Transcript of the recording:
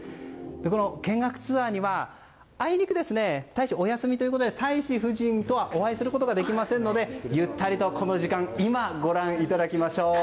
この見学ツアーにはあいにく大使はお休みということで大使夫人とはお会いすることができませんのでゆったりとこの時間今、ご覧いただきましょう。